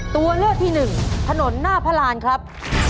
ตัวเลือกที่หนึ่งถนนหน้าพระรานครับ